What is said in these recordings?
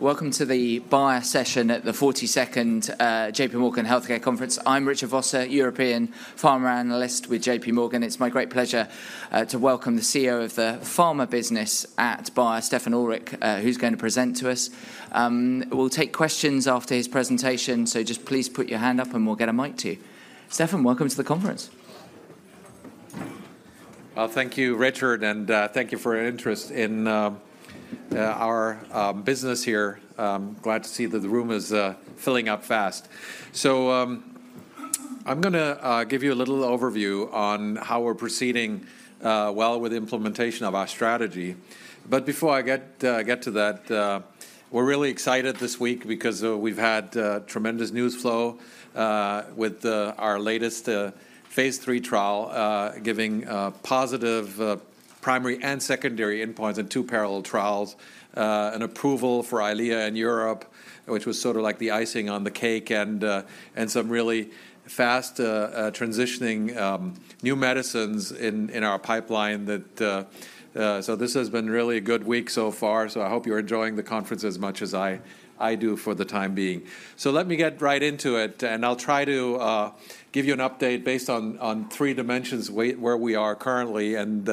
Welcome to the Bayer session at the 42nd J.P. Morgan Healthcare Conference. I'm Richard Vosser, European Pharma Analyst with JPMorgan. It's my great pleasure to welcome the CEO of the pharma business at Bayer, Stefan Oelrich, who's going to present to us. We'll take questions after his presentation, so just please put your hand up, and we'll get a mic to you. Stefan, welcome to the conference. Well, thank you, Richard, and thank you for your interest in our business here. Glad to see that the room is filling up fast. So, I'm gonna give you a little overview on how we're proceeding well with the implementation of our strategy. But before I get to that, we're really excited this week because we've had tremendous news flow with our latest phase three trial giving positive primary and secondary endpoints in two parallel trials, an approval for EYLEA in Europe, which was sort of like the icing on the cake, and some really fast transitioning new medicines in our pipeline that... So this has been really a good week so far, so I hope you're enjoying the conference as much as I do for the time being. So let me get right into it, and I'll try to give you an update based on three dimensions, where we are currently and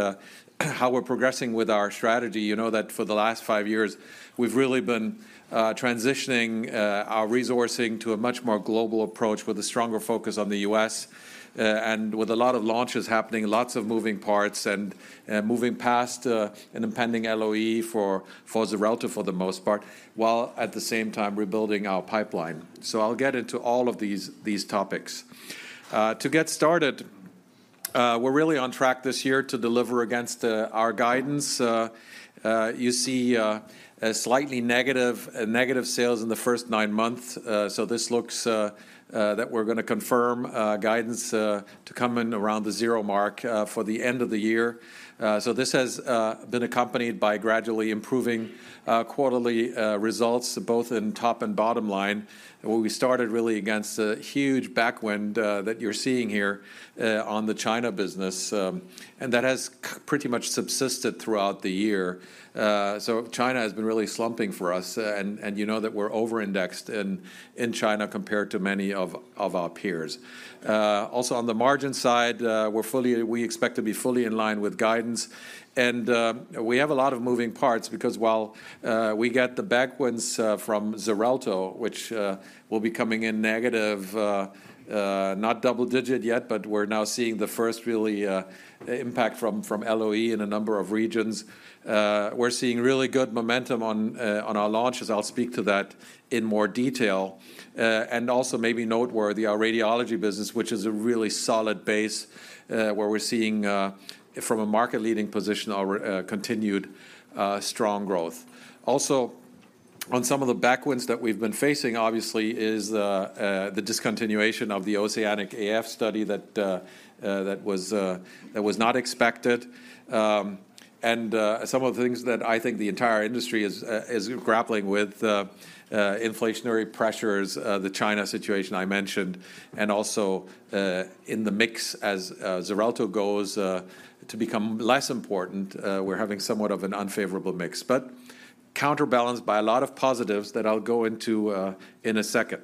how we're progressing with our strategy. You know that for the last five years, we've really been transitioning our resourcing to a much more global approach with a stronger focus on the U.S. and with a lot of launches happening, lots of moving parts and moving past an impending LOE for Xarelto for the most part, while at the same time rebuilding our pipeline. So I'll get into all of these topics. To get started, we're really on track this year to deliver against our guidance. You see a slightly negative sales in the first nine months. So this looks that we're gonna confirm guidance to come in around the zero mark for the end of the year. So this has been accompanied by gradually improving quarterly results, both in top and bottom line, where we started really against a huge backwind that you're seeing here on the China business, and that has pretty much subsisted throughout the year. So China has been really slumping for us, and you know that we're over-indexed in China compared to many of our peers. Also on the margin side, we're fully—we expect to be fully in line with guidance. We have a lot of moving parts because while we get the backwinds from Xarelto, which will be coming in negative, not double digit yet, but we're now seeing the first really impact from LOE in a number of regions. We're seeing really good momentum on our launches. I'll speak to that in more detail. Also maybe noteworthy, our radiology business, which is a really solid base, where we're seeing, from a market-leading position, our continued strong growth. Also, on some of the backwinds that we've been facing, obviously, is the discontinuation of the OCEANIC-AF study that was not expected. And, some of the things that I think the entire industry is grappling with, inflationary pressures, the China situation I mentioned, and also, in the mix as, Xarelto goes to become less important, we're having somewhat of an unfavorable mix, but counterbalanced by a lot of positives that I'll go into, in a second.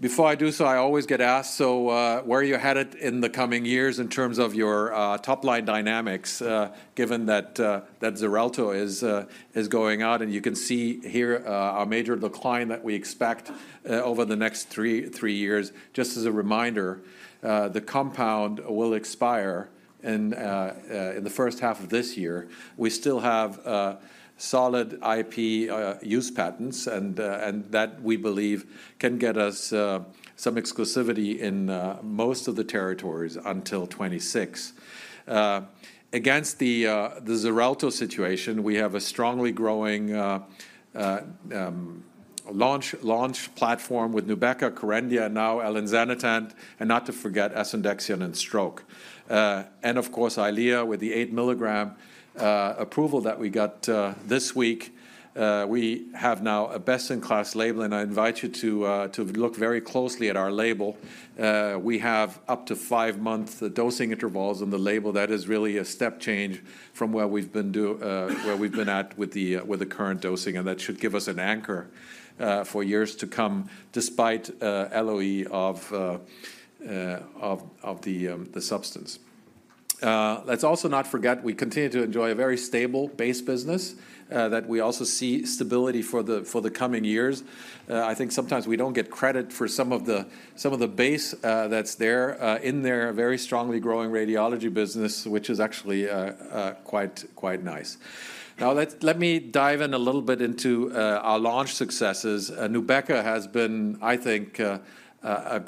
Before I do so, I always get asked: "So, where are you headed in the coming years in terms of your top-line dynamics, given that that Xarelto is going out?" You can see here, a major decline that we expect over the next three years. Just as a reminder, the compound will expire in the first half of this year. We still have solid IP use patents, and that, we believe, can get us some exclusivity in most of the territories until 2026. Against the Xarelto situation, we have a strongly growing launch platform with Nubeqa, Kerendia, and now elinzanetant, and not to forget asundexian and Stroke. And of course, EYLEA with the 8-mg approval that we got this week, we have now a best-in-class label, and I invite you to look very closely at our label. We have up to 5-month dosing intervals on the label. That is really a step change from where we've been at with the current dosing, and that should give us an anchor for years to come, despite LOE of the substance. Let's also not forget, we continue to enjoy a very stable base business that we also see stability for the coming years. I think sometimes we don't get credit for some of the base that's there in their very strongly growing radiology business, which is actually quite nice. Now, let me dive in a little bit into our launch successes. Nubeqa has been, I think, a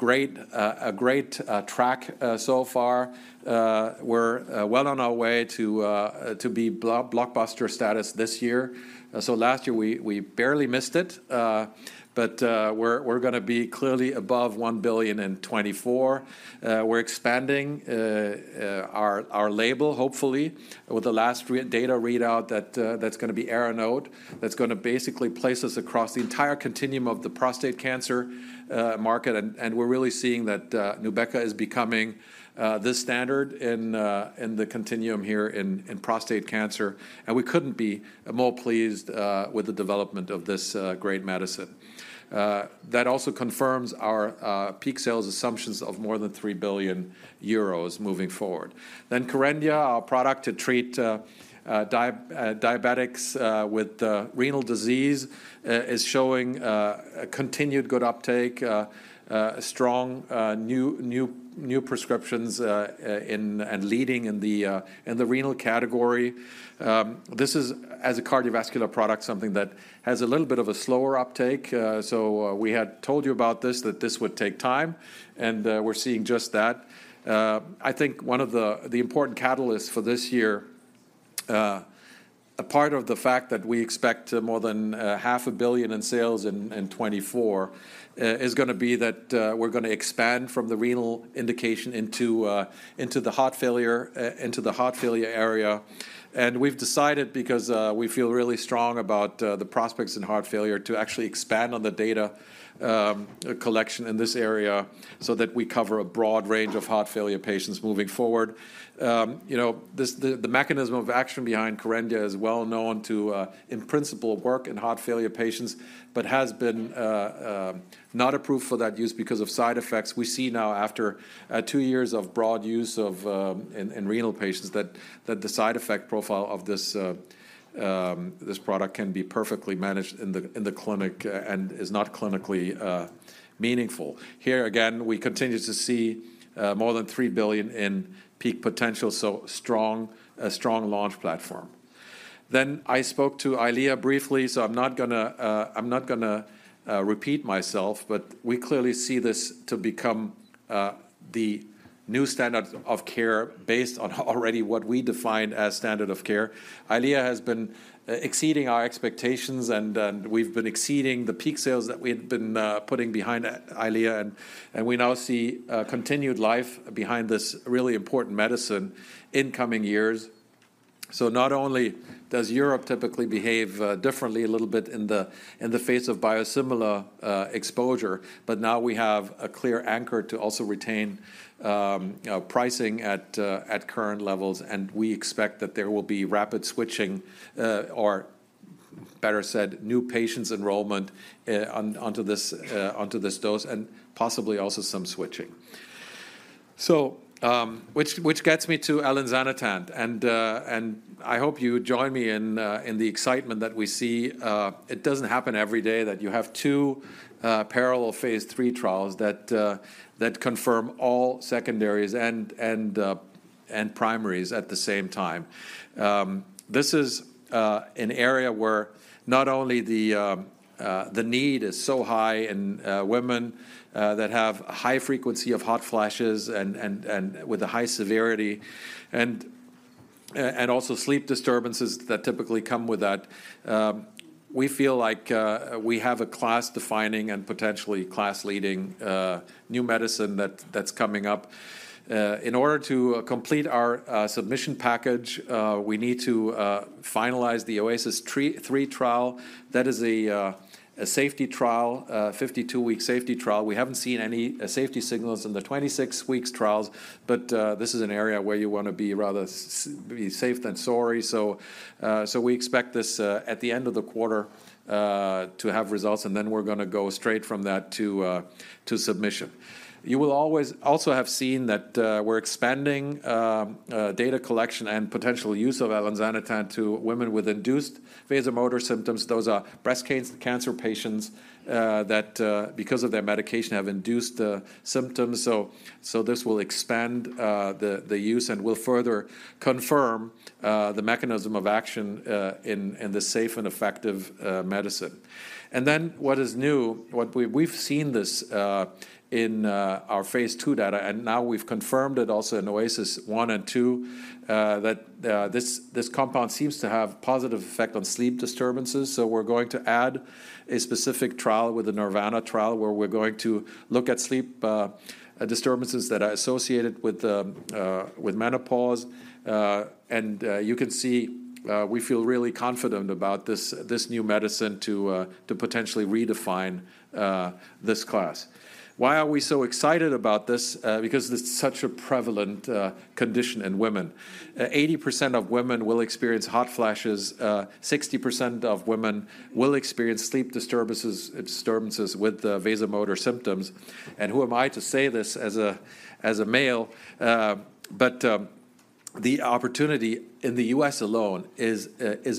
great track so far. We're well on our way to blockbuster status this year. So last year, we barely missed it, but we're gonna be clearly above 1.024 billion. We're expanding our label, hopefully, with the last readout data that's gonna be ARANOTE. That's gonna basically place us across the entire continuum of the prostate cancer market, and we're really seeing that Nubeqa is becoming the standard in the continuum here in prostate cancer, and we couldn't be more pleased with the development of this great medicine. That also confirms our peak sales assumptions of more than 3 billion euros moving forward. Then Kerendia, our product to treat diabetics with renal disease, is showing a continued good uptake, strong new prescriptions, and leading in the renal category. This is, as a cardiovascular product, something that has a little bit of a slower uptake. So, we had told you about this, that this would take time, and we're seeing just that. I think one of the important catalysts for this year, a part of the fact that we expect more than 500 million in sales in 2024, is gonna be that we're gonna expand from the renal indication into the heart failure area. We've decided, because we feel really strong about the prospects in heart failure, to actually expand on the data collection in this area so that we cover a broad range of heart failure patients moving forward. You know, the mechanism of action behind Kerendia is well known to, in principle, work in heart failure patients, but has not been approved for that use because of side effects. We see now after two years of broad use of in renal patients, that the side effect profile of this product can be perfectly managed in the clinic and is not clinically meaningful. Here, again, we continue to see more than 3 billion in peak potential, so strong, a strong launch platform. Then I spoke to EYLEA briefly, so I'm not gonna repeat myself, but we clearly see this to become the new standard of care based on already what we define as standard of care. EYLEA has been exceeding our expectations, and we've been exceeding the peak sales that we've been putting behind EYLEA. And we now see continued life behind this really important medicine in coming years. So not only does Europe typically behave differently a little bit in the face of biosimilar exposure, but now we have a clear anchor to also retain pricing at current levels, and we expect that there will be rapid switching, or better said, new patients' enrollment onto this dose, and possibly also some switching. So, which gets me to elinzanetant. And I hope you join me in the excitement that we see. It doesn't happen every day that you have 2 parallel phase III trials that confirm all secondaries and primaries at the same time. This is an area where not only the need is so high in women that have a high frequency of hot flashes and with a high severity, and also sleep disturbances that typically come with that, we feel like we have a class-defining and potentially class-leading new medicine that's coming up. In order to complete our submission package, we need to finalize the OASIS-3 trial. That is a, a safety trial, a 52-week safety trial. We haven't seen any, safety signals in the 26-weeks trials, but, this is an area where you want to be rather s- be safe than sorry. So, so we expect this, at the end of the quarter, to have results, and then we're gonna go straight from that to, to submission. You will always-- also have seen that, we're expanding, data collection and potential use of elinzanetant to women with induced vasomotor symptoms. Those are breast cancer patients, that, because of their medication, have induced, symptoms. So, so this will expand, the, the use and will further confirm, the mechanism of action, in, in the safe and effective, medicine. And then what is new, what we... We've seen this in our phase II data, and now we've confirmed it also in OASIS 1 and 2 that this compound seems to have positive effect on sleep disturbances. So we're going to add a specific trial with the NIRVANA trial, where we're going to look at sleep disturbances that are associated with with menopause. And you can see we feel really confident about this new medicine to potentially redefine this class. Why are we so excited about this? Because this is such a prevalent condition in women. 80% of women will experience hot flashes. 60% of women will experience sleep disturbances, disturbances with vasomotor symptoms. And who am I to say this as a male? But the opportunity in the U.S. alone is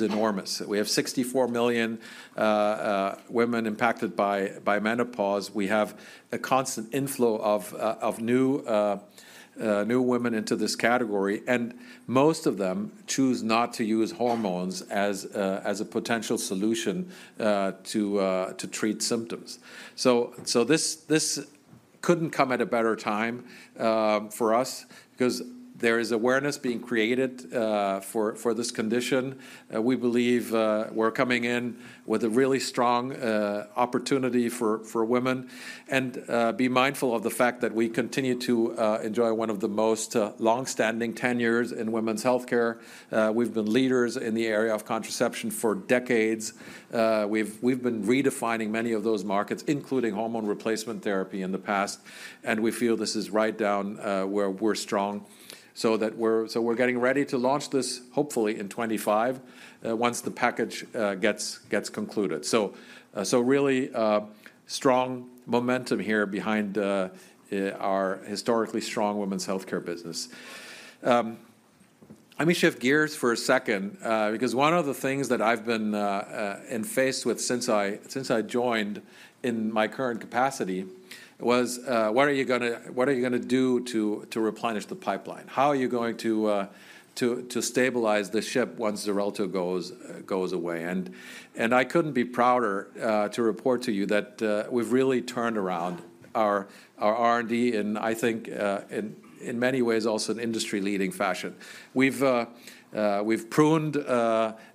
enormous. We have 64 million women impacted by menopause. We have a constant inflow of new women into this category, and most of them choose not to use hormones as a potential solution to treat symptoms. This couldn't come at a better time for us because there is awareness being created for this condition. We believe we're coming in with a really strong opportunity for women. Be mindful of the fact that we continue to enjoy one of the most long-standing tenures in women's healthcare. We've been leaders in the area of contraception for decades. We've been redefining many of those markets, including hormone replacement therapy in the past, and we feel this is right down where we're strong. So we're getting ready to launch this, hopefully in 2025, once the package gets concluded. So really strong momentum here behind our historically strong women's healthcare business. Let me shift gears for a second, because one of the things that I've been and faced with since I joined in my current capacity was what are you gonna do to replenish the pipeline? How are you going to stabilize the ship once Xarelto goes away? I couldn't be prouder to report to you that we've really turned around our R&D, and I think in many ways also an industry-leading fashion. We've pruned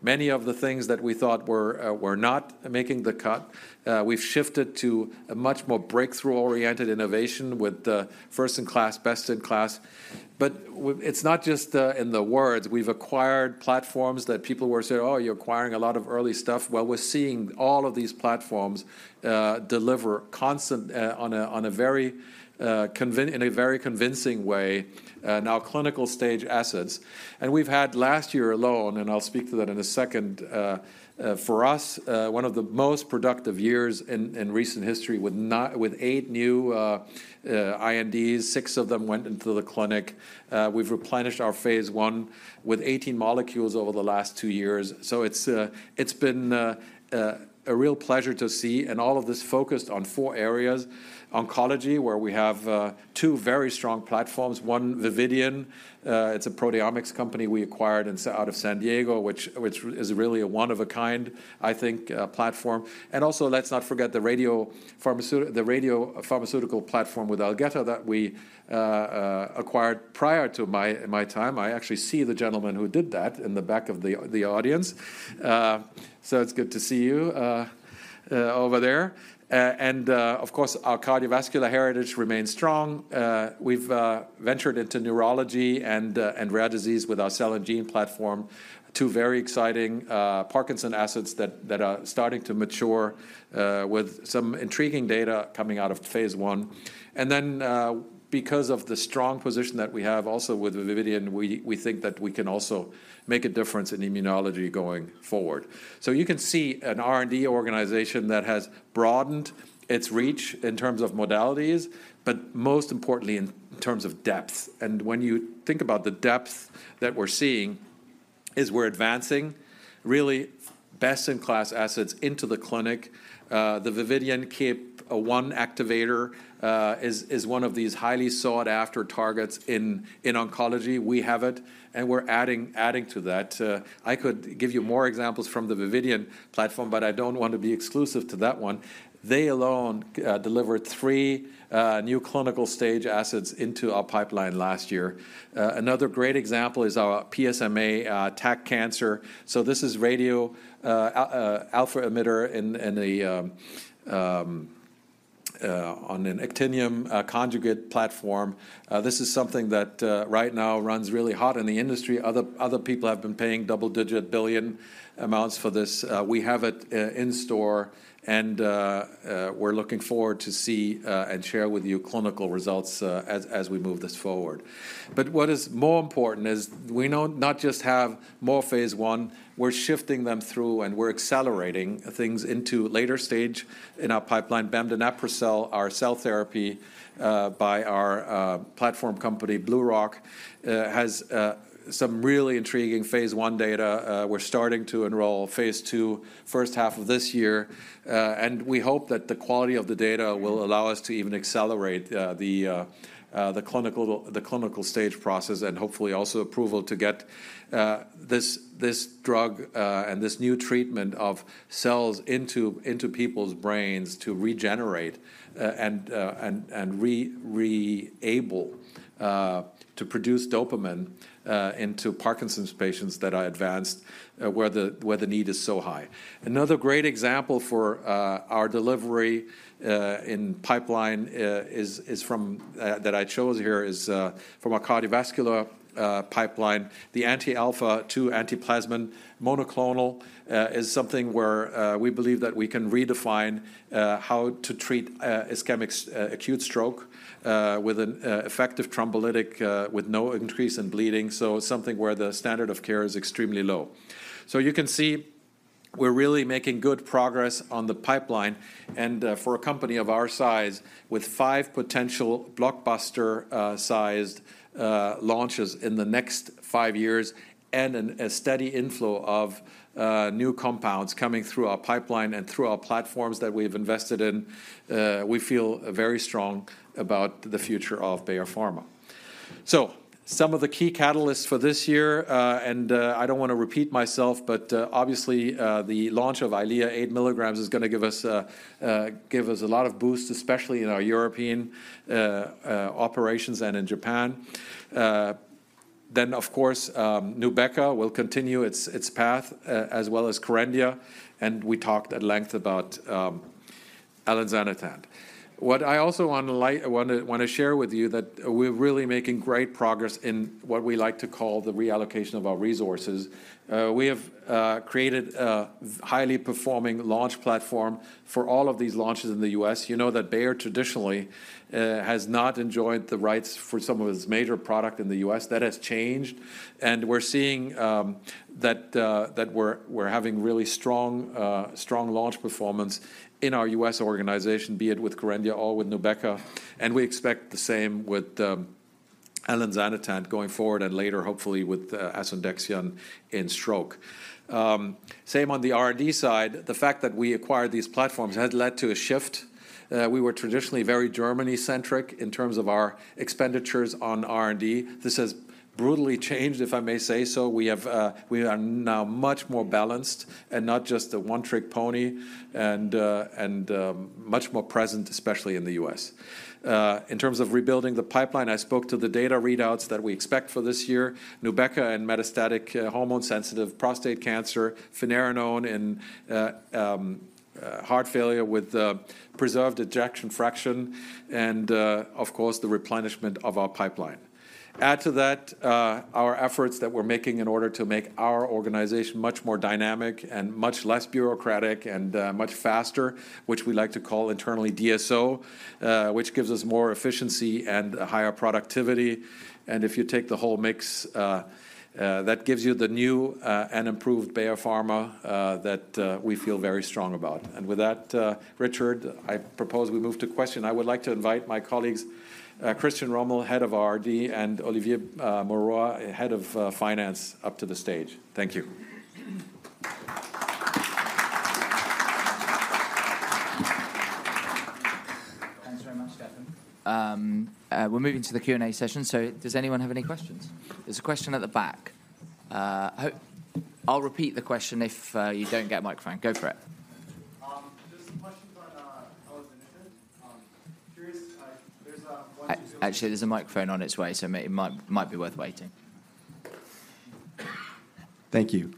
many of the things that we thought were not making the cut. We've shifted to a much more breakthrough-oriented innovation with first-in-class, best-in-class. But it's not just in the words. We've acquired platforms that people were saying, "Oh, you're acquiring a lot of early stuff." Well, we're seeing all of these platforms deliver constant on a very convincing way now clinical-stage assets. And we've had last year alone, and I'll speak to that in a second, for us, one of the most productive years in recent history with eight new INDs, six of them went into the clinic. We've replenished our phase I with 18 molecules over the last two years. So it's been a real pleasure to see, and all of this focused on four areas: oncology, where we have two very strong platforms. One, Vividion, it's a proteomics company we acquired out of San Diego, which is really a one-of-a-kind, I think, platform. And also, let's not forget the radiopharmaceutical platform with Algeta that we acquired prior to my time. I actually see the gentleman who did that in the back of the audience. So it's good to see you over there. Of course, our cardiovascular heritage remains strong. We've ventured into neurology and rare disease with our cell and gene platform. Two very exciting Parkinson assets that are starting to mature with some intriguing data coming out of phase I. And then, because of the strong position that we have also with Vividion, we think that we can also make a difference in immunology going forward. So you can see an R&D organization that has broadened its reach in terms of modalities, but most importantly, in terms of depth. And when you think about the depth that we're seeing, we're advancing really best-in-class assets into the clinic. The Vividion KEAP1 activator is one of these highly sought-after targets in oncology. We have it, and we're adding, adding to that. I could give you more examples from the Vividion platform, but I don't want to be exclusive to that one. They alone delivered three new clinical-stage assets into our pipeline last year. Another great example is our PSMA PET for cancer. So this is radio alpha emitter in an actinium conjugate platform. This is something that right now runs really hot in the industry. Other people have been paying double-digit billion amounts for this. We have it in store, and we're looking forward to see and share with you clinical results as we move this forward. But what is more important is we now not just have more phase I, we're shifting them through, and we're accelerating things into later stage in our pipeline. Bemdaneprocel, our cell therapy by our platform company, BlueRock, has some really intriguing phase I data. We're starting to enroll phase II, first half of this year, and we hope that the quality of the data will allow us to even accelerate the clinical stage process, and hopefully also approval to get this drug and this new treatment of cells into people's brains to regenerate and enable to produce dopamine into Parkinson's patients that are advanced, where the need is so high. Another great example for our delivery in pipeline is from our cardiovascular pipeline. The anti-alpha-2-antiplasmin monoclonal is something where we believe that we can redefine how to treat ischemic acute stroke with an effective thrombolytic with no increase in bleeding. So something where the standard of care is extremely low. So you can see we're really making good progress on the pipeline, and for a company of our size, with five potential blockbuster-sized launches in the next five years and a steady inflow of new compounds coming through our pipeline and through our platforms that we've invested in, we feel very strong about the future of Bayer Pharma. So some of the key catalysts for this year, and I don't wanna repeat myself, but obviously the launch of EYLEA 8 mg is gonna give us a lot of boost, especially in our European operations and in Japan. Then, of course, Nubeqa will continue its path, as well as Kerendia, and we talked at length about elinzanetant. What I also want to share with you that we're really making great progress in what we like to call the reallocation of our resources. We have created a highly performing launch platform for all of these launches in the U.S. You know that Bayer traditionally has not enjoyed the rights for some of its major product in the U.S. That has changed, and we're seeing that we're having really strong launch performance in our U.S. organization, be it with Kerendia or with Nubeqa, and we expect the same with elinzanetant going forward and later, hopefully with asundexian in stroke. Same on the R&D side. The fact that we acquired these platforms has led to a shift. We were traditionally very Germany-centric in terms of our expenditures on R&D. This has brutally changed, if I may say so. We are now much more balanced and not just a one-trick pony, and much more present, especially in the U.S. In terms of rebuilding the pipeline, I spoke to the data readouts that we expect for this year: Nubeqa in metastatic hormone-sensitive prostate cancer, finerenone in heart failure with preserved ejection fraction, and, of course, the replenishment of our pipeline. Add to that, our efforts that we're making in order to make our organization much more dynamic and much less bureaucratic and much faster, which we like to call internally DSO, which gives us more efficiency and higher productivity. And if you take the whole mix, that gives you the new and improved Bayer Pharma that we feel very strong about. And with that, Richard, I propose we move to question. I would like to invite my colleagues, Christian Rommel, Head of R&D, and Olivier Mauroy Bressier, Head of Finance, up to the stage. Thank you. Thanks very much, Stefan. We're moving to the Q&A session, so does anyone have any questions? There's a question at the back. I hope... I'll repeat the question if you don't get a microphone. Go for it. Just a question about elinzanetant. Curious, there's one. Actually, there's a microphone on its way, so it might be worth waiting. Thank you.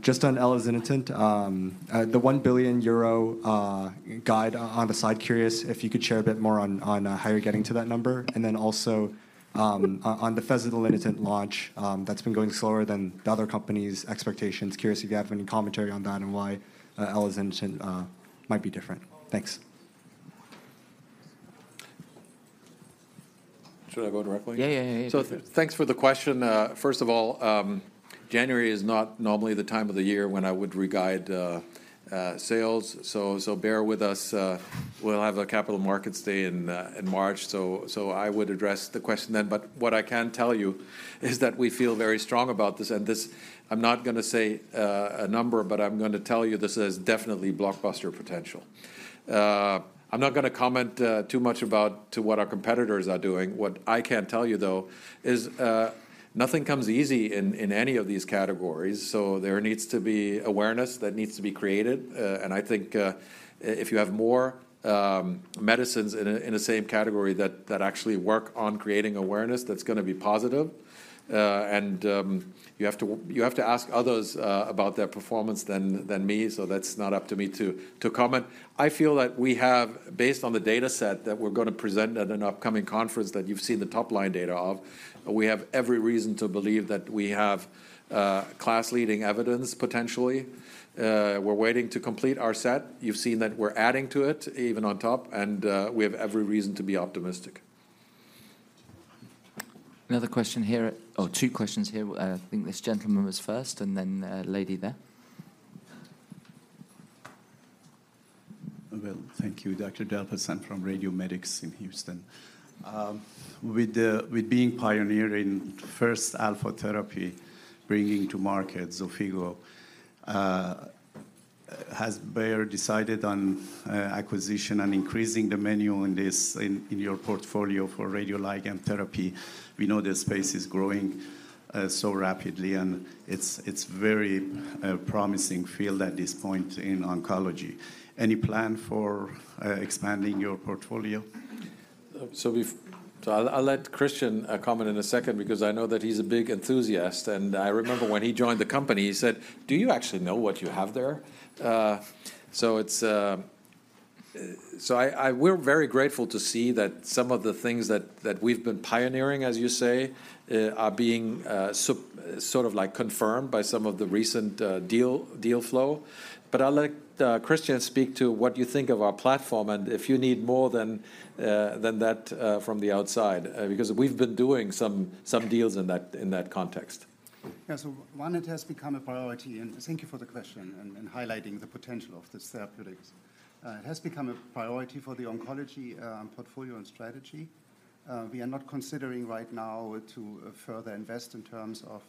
Just on elinzanetant, the 1 billion euro guidance, curious if you could share a bit more on, on, how you're getting to that number, and then also, on, on the elinzanetant launch, that's been going slower than the other companies' expectations. Curious if you have any commentary on that and why, elinzanetant, might be different. Thanks. Should I go directly? Yeah, yeah, yeah. Thanks for the question. First of all, January is not normally the time of the year when I would re-guide sales, so bear with us. We'll have a capital markets day in March, so I would address the question then. But what I can tell you is that we feel very strong about this, and this- I'm not gonna say a number, but I'm gonna tell you this has definitely blockbuster potential. I'm not gonna comment too much about to what our competitors are doing. What I can tell you, though, is nothing comes easy in any of these categories, so there needs to be awareness that needs to be created. And I think if you have more medicines in the same category that actually work on creating awareness, that's gonna be positive. And you have to ask others about their performance than me, so that's not up to me to comment. I feel that we have, based on the dataset that we're gonna present at an upcoming conference that you've seen the top-line data of, we have every reason to believe that we have class-leading evidence, potentially. We're waiting to complete our set. You've seen that we're adding to it, even on top, and we have every reason to be optimistic. Another question here. Oh, two questions here. I think this gentleman was first, and then, lady there. Well, thank you, Dr. Delpassand. I'm from RadioMedix in Houston. With being pioneer in first alpha therapy, bringing to market Xofigo, has Bayer decided on acquisition and increasing the menu in this, in your portfolio for radioligand therapy? We know the space is growing so rapidly, and it's very promising field at this point in oncology. Any plan for expanding your portfolio? So I'll let Christian comment in a second because I know that he's a big enthusiast, and I remember when he joined the company, he said, "Do you actually know what you have there?" So we're very grateful to see that some of the things that we've been pioneering, as you say, are being sort of like confirmed by some of the recent deal flow. But I'll let Christian speak to what you think of our platform and if you need more than that from the outside because we've been doing some deals in that context. Yeah, so one, it has become a priority, and thank you for the question and highlighting the potential of this therapeutics. It has become a priority for the oncology portfolio and strategy. We are not considering right now to further invest in terms of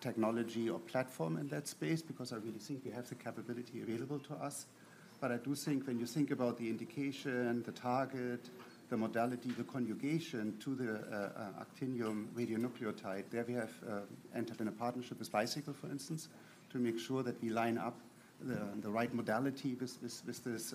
technology or platform in that space because I really think we have the capability available to us. But I do think when you think about the indication, the target, the modality, the conjugation to the actinium radionuclide, there we have entered in a partnership with Bicycle, for instance, to make sure that we line up the right modality with this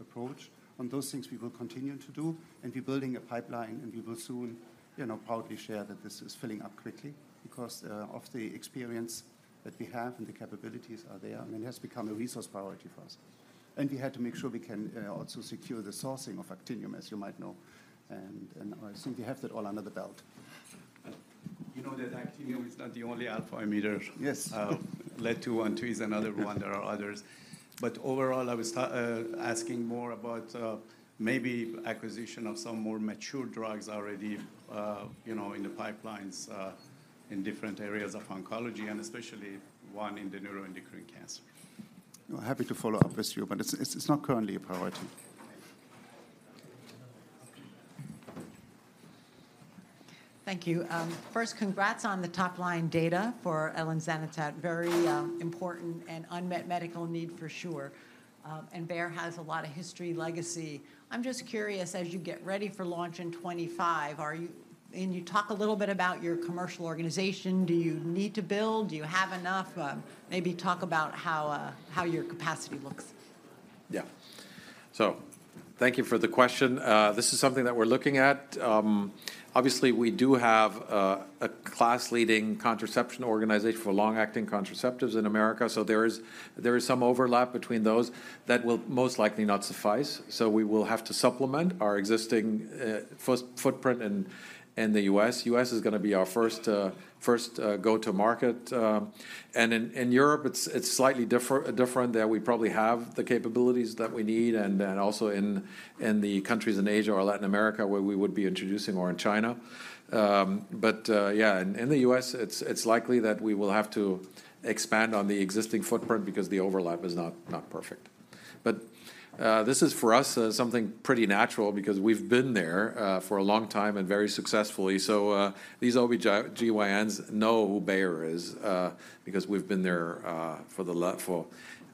approach. On those things, we will continue to do, and we're building a pipeline, and we will soon, you know, proudly share that this is filling up quickly because of the experience that we have and the capabilities are there. I mean, it has become a resource priority for us, and we had to make sure we can also secure the sourcing of actinium, as you might know, and I think we have that all under the belt. You know that actinium is not the only alpha emitter? Yes. Lead-212 is another one. There are others. But overall, I was asking more about maybe acquisition of some more mature drugs already, you know, in the pipelines, in different areas of oncology, and especially one in the neuroendocrine cancer.... I'm happy to follow up with you, but it's not currently a priority. Thank you. First, congrats on the top-line data for elinzanetant. Very, important and unmet medical need for sure. And Bayer has a lot of history, legacy. I'm just curious, as you get ready for launch in 2025, are you? Can you talk a little bit about your commercial organization? Do you need to build? Do you have enough? Maybe talk about how, how your capacity looks. Yeah. So thank you for the question. This is something that we're looking at. Obviously, we do have a class-leading contraception organization for long-acting contraceptives in America, so there is some overlap between those that will most likely not suffice. So we will have to supplement our existing footprint in the U.S. U.S. is gonna be our first go-to market, and in Europe, it's slightly different, that we probably have the capabilities that we need, and then also in the countries in Asia or Latin America, where we would be introducing, or in China. But yeah, in the U.S., it's likely that we will have to expand on the existing footprint because the overlap is not perfect. But, this is, for us, something pretty natural because we've been there, for a long time and very successfully. So, these OB-GYNs know who Bayer is, because we've been there, for,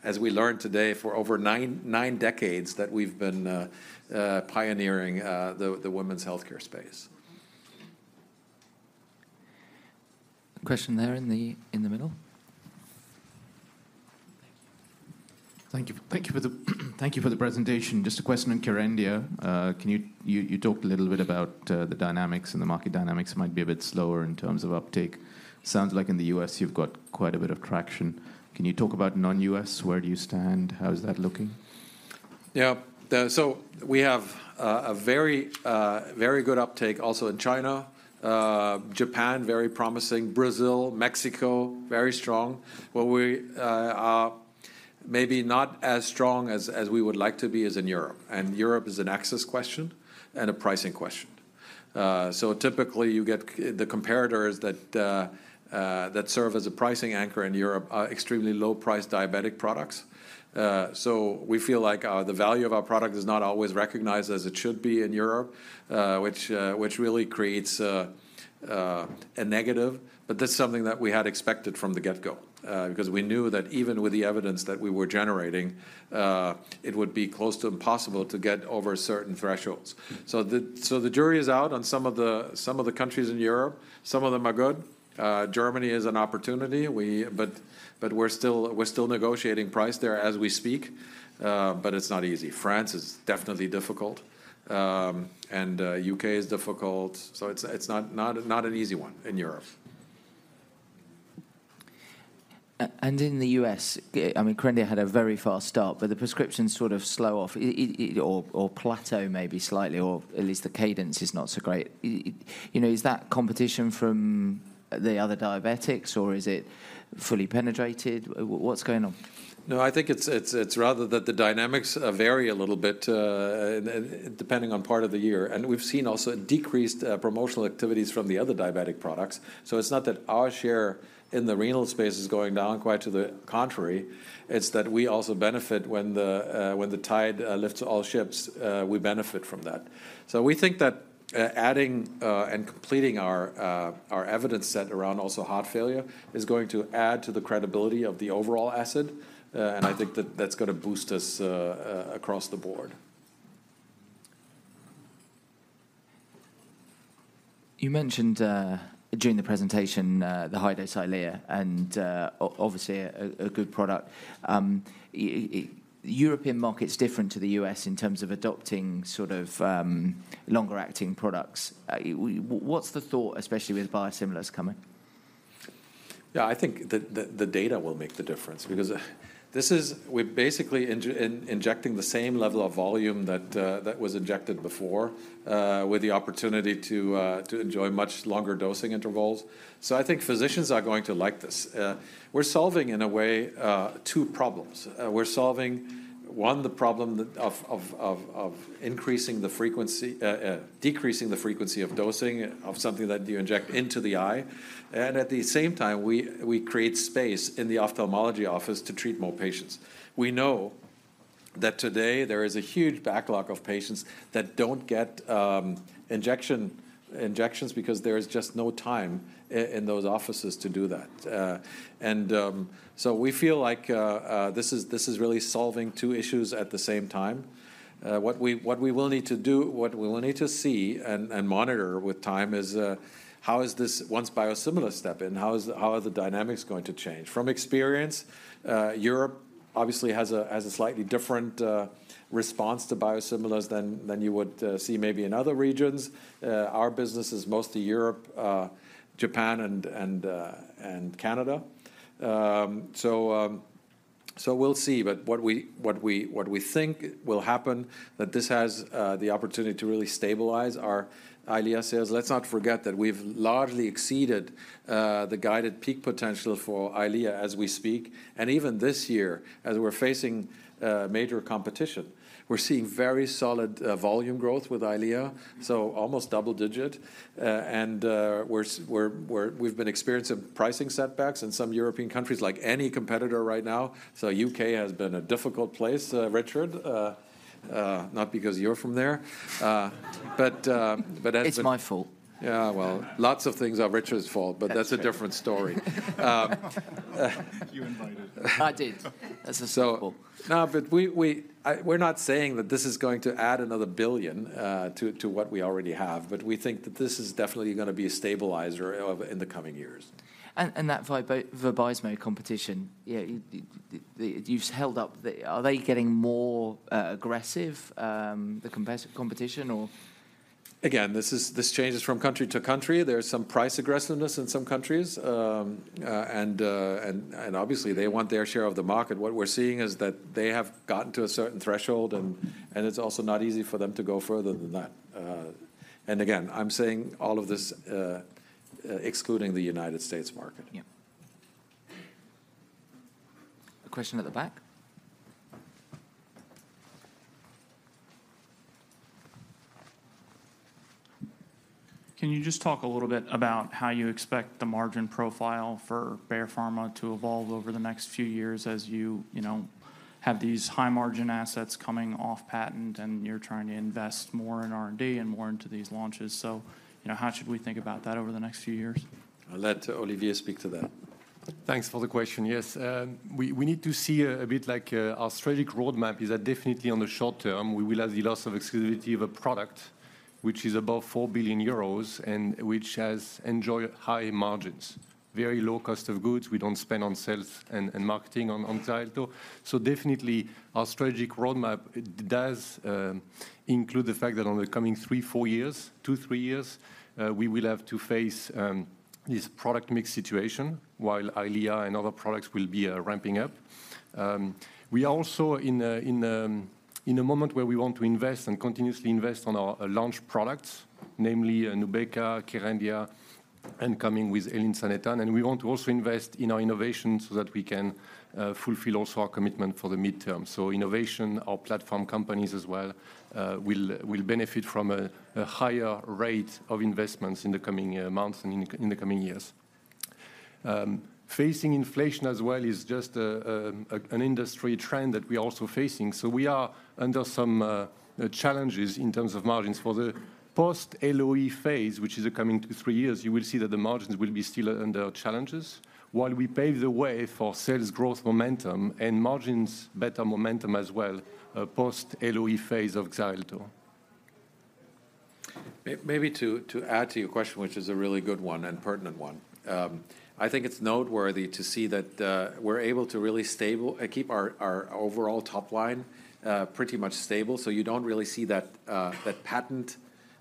as we learned today, for over nine decades, that we've been pioneering the women's healthcare space. Question there in the middle. Thank you. Thank you for the presentation. Just a question on Kerendia. Can you talk a little bit about the dynamics, and the market dynamics might be a bit slower in terms of uptake. Sounds like in the U.S., you've got quite a bit of traction. Can you talk about non-U.S.? Where do you stand? How is that looking? Yeah. So we have a very good uptake also in China. Japan, very promising. Brazil, Mexico, very strong. Where we are maybe not as strong as we would like to be is in Europe, and Europe is an access question and a pricing question. So typically, you get the comparators that serve as a pricing anchor in Europe are extremely low-priced diabetic products. So we feel like the value of our product is not always recognized as it should be in Europe, which really creates a negative, but that's something that we had expected from the get-go. Because we knew that even with the evidence that we were generating, it would be close to impossible to get over certain thresholds. So the jury is out on some of the countries in Europe. Some of them are good. Germany is an opportunity. But we're still negotiating price there as we speak, but it's not easy. France is definitely difficult, and U.K. is difficult, so it's not an easy one in Europe. In the US, I mean, Kerendia had a very fast start, but the prescriptions sort of slow off, or plateau maybe slightly, or at least the cadence is not so great. You know, is that competition from the other diabetics, or is it fully penetrated? What's going on? No, I think it's rather that the dynamics vary a little bit, depending on part of the year, and we've seen also decreased promotional activities from the other diabetic products. So it's not that our share in the renal space is going down, quite to the contrary. It's that we also benefit when the tide lifts all ships, we benefit from that. So we think that adding and completing our evidence set around also heart failure is going to add to the credibility of the overall asset, and I think that that's gonna boost us across the board. You mentioned during the presentation the high-dose EYLEA, and obviously a good product. European market's different to the U.S. in terms of adopting sort of longer-acting products. What's the thought, especially with biosimilars coming? Yeah, I think the data will make the difference because this is, we're basically injecting the same level of volume that was injected before with the opportunity to enjoy much longer dosing intervals. So I think physicians are going to like this. We're solving, in a way, two problems. We're solving one, the problem of decreasing the frequency of dosing of something that you inject into the eye, and at the same time, we create space in the ophthalmology office to treat more patients. We know that today there is a huge backlog of patients that don't get injections because there is just no time in those offices to do that. And so we feel like this is really solving two issues at the same time. What we will need to see and monitor with time is how this, once biosimilars step in, how the dynamics are going to change? From experience, Europe obviously has a slightly different response to biosimilars than you would see maybe in other regions. Our business is mostly Europe, Japan, and Canada. So we'll see. But what we think will happen, that this has the opportunity to really stabilize our EYLEA sales. Let's not forget that we've largely exceeded the guided peak potential for EYLEA as we speak, and even this year, as we're facing major competition, we're seeing very solid volume growth with EYLEA, so almost double digit. We've been experiencing pricing setbacks in some European countries, like any competitor right now. So U.K. has been a difficult place, Richard, not because you're from there. It's my fault. Yeah, well, lots of things are Richard's fault, but that's a different story. You invited him. I did. This is my fault. No, but we're not saying that this is going to add another 1 billion to what we already have, but we think that this is definitely gonna be a stabilizer of in the coming years. And that biosimilar competition, yeah, you've held up the... Are they getting more aggressive, the competition, or? Again, this changes from country to country. There's some price aggressiveness in some countries. And obviously, they want their share of the market. What we're seeing is that they have gotten to a certain threshold, and it's also not easy for them to go further than that. And again, I'm saying all of this, excluding the United States market. Yeah. A question at the back? Can you just talk a little bit about how you expect the margin profile for Bayer Pharma to evolve over the next few years as you, you know, have these high-margin assets coming off patent, and you're trying to invest more in R&D and more into these launches? So, you know, how should we think about that over the next few years? I'll let Olivier speak to that. Thanks for the question. Yes, we need to see a bit like our strategic roadmap is that definitely on the short term, we will have the loss of exclusivity of a product which is above 4 billion euros and which has enjoyed high margins, very low cost of goods. We don't spend on sales and marketing on Xarelto. So definitely, our strategic roadmap does include the fact that on the coming 3, 4 years, 2, 3 years, we will have to face this product mix situation while EYLEA and other products will be ramping up. We are also in a moment where we want to invest and continuously invest on our launch products, namely Nubeqa, Kerendia, and coming with elinzanetant. We want to also invest in our innovation so that we can fulfill also our commitment for the midterm. Innovation, our platform companies as well, will benefit from a higher rate of investments in the coming months and in the coming years. Facing inflation as well is just an industry trend that we are also facing, so we are under some challenges in terms of margins. For the post-LOE phase, which is the coming 2-3 years, you will see that the margins will be still under challenges while we pave the way for sales growth momentum and margins better momentum as well, post-LOE phase of Xarelto. Maybe to add to your question, which is a really good one and pertinent one, I think it's noteworthy to see that we're able to really keep our overall top line pretty much stable, so you don't really see that patent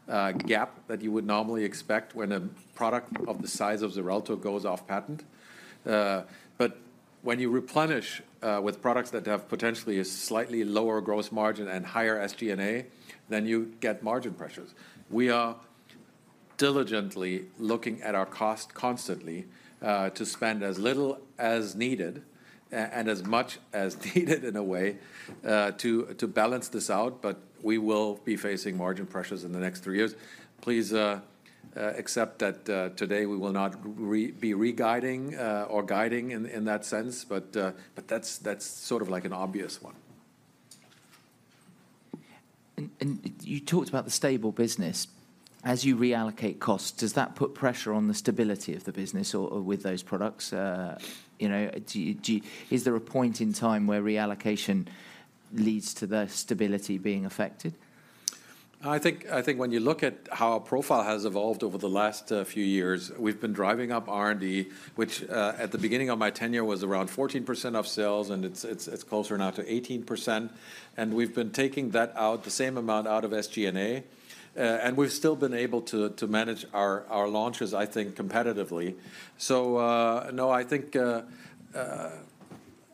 gap that you would normally expect when a product of the size of Xarelto goes off patent. But when you replenish with products that have potentially a slightly lower gross margin and higher SG&A, then you get margin pressures. We are diligently looking at our cost constantly to spend as little as needed and as much as needed in a way to balance this out, but we will be facing margin pressures in the next three years. Please accept that today we will not be reguiding or guiding in that sense, but that's sort of like an obvious one. You talked about the stable business. As you reallocate costs, does that put pressure on the stability of the business or with those products? You know, is there a point in time where reallocation leads to the stability being affected? I think when you look at how our profile has evolved over the last few years, we've been driving up R&D, which at the beginning of my tenure was around 14% of sales, and it's closer now to 18%, and we've been taking that same amount out of SG&A, and we've still been able to manage our launches, I think, competitively. So, no, I think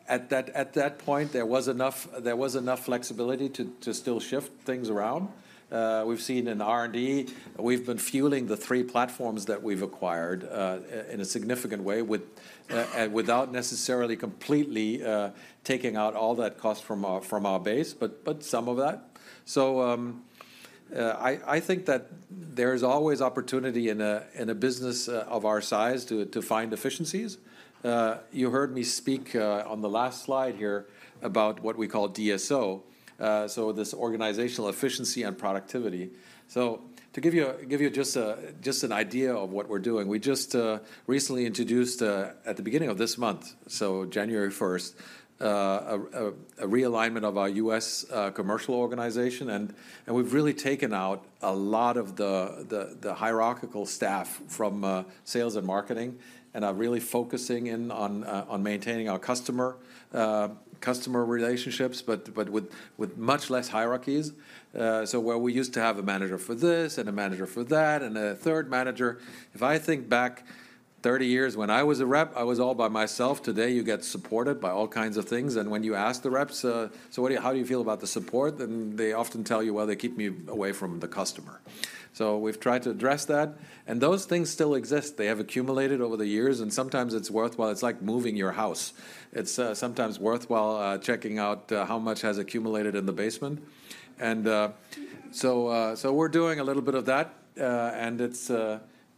at that point there was enough flexibility to still shift things around. We've seen in R&D, we've been fueling the three platforms that we've acquired in a significant way, and without necessarily completely taking out all that cost from our base, but some of that. So, I think that there's always opportunity in a business of our size to find efficiencies. You heard me speak on the last slide here about what we call DSO, so this organizational efficiency and productivity. So to give you just an idea of what we're doing, we just recently introduced at the beginning of this month, so January 1st, a realignment of our U.S. commercial organization, and we've really taken out a lot of the hierarchical staff from sales and marketing, and are really focusing in on maintaining our customer relationships, but with much less hierarchies. So where we used to have a manager for this and a manager for that, and a third manager... If I think back 30 years when I was a rep, I was all by myself. Today, you get supported by all kinds of things, and when you ask the reps, "how do you feel about the support?" they often tell you, "Well, they keep me away from the customer." We've tried to address that, and those things still exist. They have accumulated over the years, and sometimes it's worthwhile. It's like moving your house. It's sometimes worthwhile checking out how much has accumulated in the basement. We're doing a little bit of that, and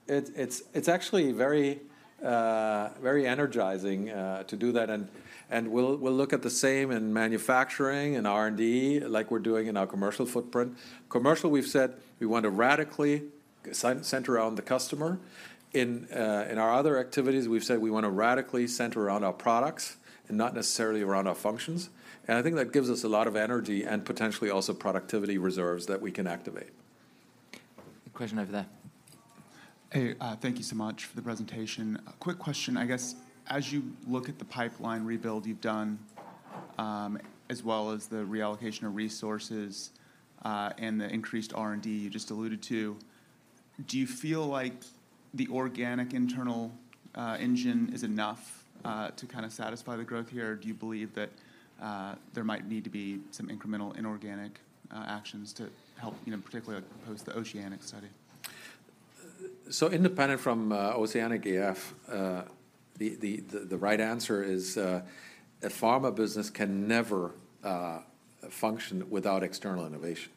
it's actually very energizing to do that, and we'll look at the same in manufacturing and R&D like we're doing in our commercial footprint. Commercial, we've said we want to radically center around the customer. In, in our other activities, we've said we want to radically center around our products and not necessarily around our functions, and I think that gives us a lot of energy and potentially also productivity reserves that we can activate. A question over there. Hey, thank you so much for the presentation. A quick question: I guess, as you look at the pipeline rebuild you've done, as well as the reallocation of resources, and the increased R&D you just alluded to, do you feel like the organic internal engine is enough to kinda satisfy the growth here? Or do you believe that, there might need to be some incremental inorganic actions to help, you know, particularly as opposed to the OCEANIC study? Independent from OCEANIC-AF, the right answer is a pharma business can never function without external innovation,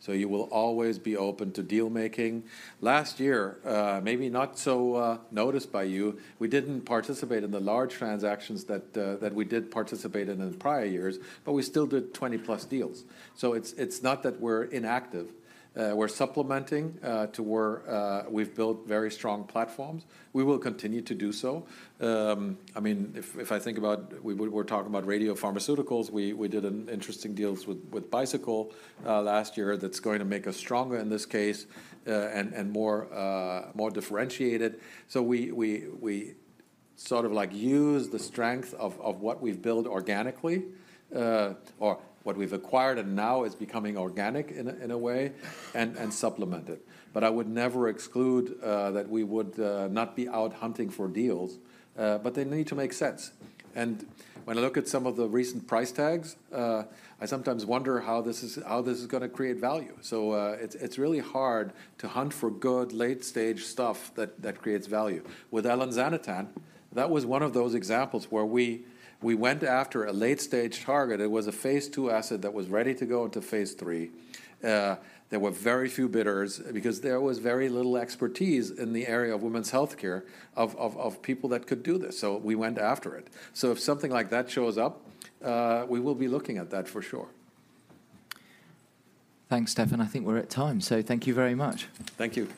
so you will always be open to deal making. Last year, maybe not so noticed by you, we didn't participate in the large transactions that we did participate in in prior years, but we still did 20-plus deals. So it's not that we're inactive. We're supplementing to where we've built very strong platforms. We will continue to do so. I mean, if I think about... We're talking about radiopharmaceuticals, we did an interesting deals with Bicycle last year that's going to make us stronger in this case, and more differentiated. So we sort of like use the strength of what we've built organically, or what we've acquired and now is becoming organic in a way, and supplement it. But I would never exclude that we would not be out hunting for deals, but they need to make sense. And when I look at some of the recent price tags, I sometimes wonder how this is gonna create value. So it's really hard to hunt for good late-stage stuff that creates value. With elinzanetant, that was one of those examples where we went after a late-stage target. It was a phase II asset that was ready to go into phase III. There were very few bidders because there was very little expertise in the area of women's healthcare, of people that could do this, so we went after it. So if something like that shows up, we will be looking at that for sure. Thanks, Stefan. I think we're at time, so thank you very much. Thank you.